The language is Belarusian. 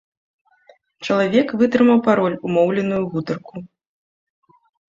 Чалавек вытрымаў пароль, умоўленую гутарку.